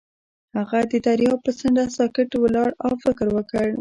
هغه د دریاب پر څنډه ساکت ولاړ او فکر وکړ.